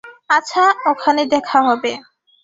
আচ্ছা, ওখানে দেখা হবে।